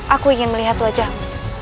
aku ingin melihat wajahmu